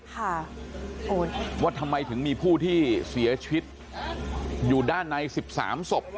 ค่ะโอ้ว่าทำไมถึงมีผู้ที่เสียชีวิตอยู่ด้านในสิบสามศพ